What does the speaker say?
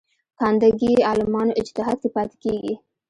ګانده کې عالمانو اجتهاد کې پاتې کېږي.